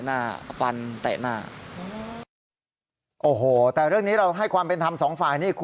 หลมกับแม่เขาเค้าฟันกับแตะหน้าอะไร